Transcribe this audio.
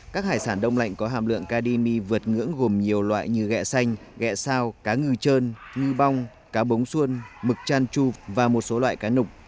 các hải sản đông lạnh có hàm lượng cademy vượt ngưỡng gồm nhiều loại như gẹ xanh gẹ sao cá ngư trơn ngư bong cá bống xuân mực chan chu và một số loại cá nục